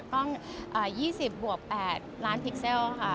กล้อง๒๐บวก๘ล้านพิกเซลค่ะ